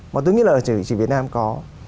mà tôi nghĩ là chỉ việt nam có